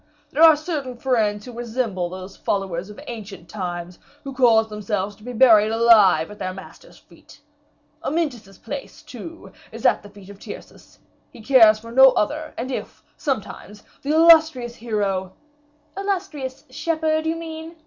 There are certain friends who resemble those followers of ancient times, who caused themselves to be buried alive at their masters' feet. Amyntas's place, too, is at the feet of Tyrcis; he cares for no other; and if, sometimes, the illustrious hero " "Illustrious shepherd, you mean?"